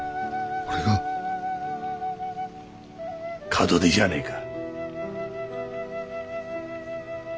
門出じゃねえか。